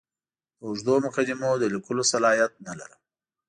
د اوږدو مقدمو د لیکلو صلاحیت نه لرم.